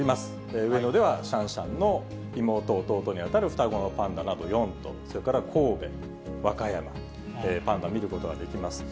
上野ではシャンシャンの妹、弟に当たる双子のパンダなど４頭、それから神戸、和歌山、パンダ見ることができます。